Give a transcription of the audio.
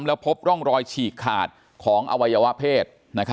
แล้วพบร่องรอยฉีกขาดของอวัยวะเพศ